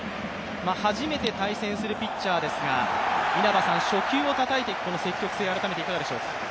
初めて対戦するピッチャーですが、初球をたたいていく積極性、いかがでしょうか。